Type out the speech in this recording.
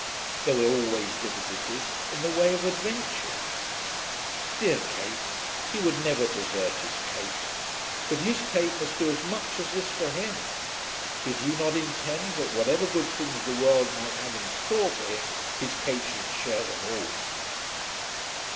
There were always difficulties in the way of adventures. Dear Kate! He would never desert his Kate. But his Kate must do as much as this for him. Did he not intend that, whatever good things the world might have in store for him, his Kate should share them all?